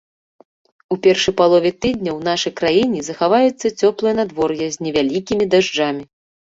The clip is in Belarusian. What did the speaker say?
У першай палове тыдня ў нашай краіне захаваецца цёплае надвор'е з невялікімі дажджамі.